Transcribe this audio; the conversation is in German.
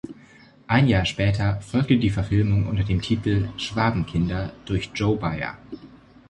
Ein Jahr später folgte die Verfilmung unter dem Titel "Schwabenkinder" durch Jo Baier.